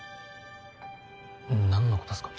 何のことっすか？